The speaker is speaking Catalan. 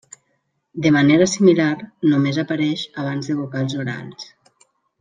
De manera similar, només apareix abans de vocals orals.